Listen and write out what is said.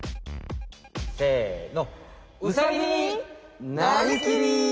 せの。